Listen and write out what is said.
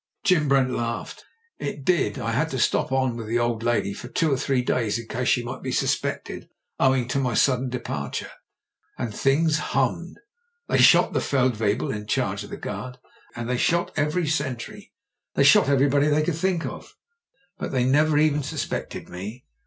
Jim Brent laughed. "It did. I had to stop on with the old lady for two or three days in case she might be suspected owing to my sudden departure — ^and things hummed. They shot the feldwebel in charge of the guard ; they shot every sentry ; they shot every body they could think of; but — ^they never even sus pected me.